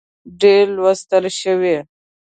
ډېر لوستل شوي